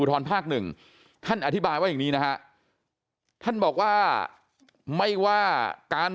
ทรภาคหนึ่งท่านอธิบายว่าอย่างนี้นะฮะท่านบอกว่าไม่ว่าการ